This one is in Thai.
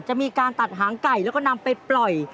จะมีการตัดหางไก่แล้วก็นำไปปล่อย